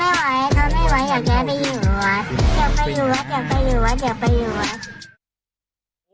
เขาไม่ไหวเขาไม่ไหวอยากแก้ไปอยู่วัด